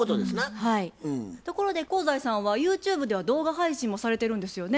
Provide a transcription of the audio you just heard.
ところで香西さんはユーチューブでは動画配信もされてるんですよね？